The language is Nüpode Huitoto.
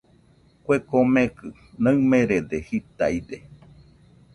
Kue komekɨ naɨmerede jitaide.